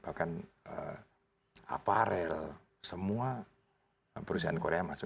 bahkan aparel semua perusahaan korea masuk